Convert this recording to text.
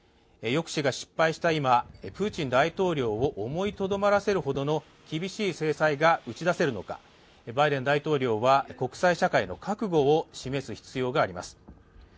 抑止が失敗した今、プーチン大統領を思いとどまらせるほどの厳しい制裁が打ち出せるのかバイデン大統領は国際社会の覚悟を示す必要があります。